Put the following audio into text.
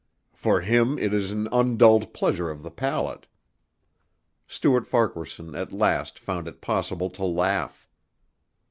For him it is an undulled pleasure of the palate." Stuart Farquaharson at last found it possible to laugh.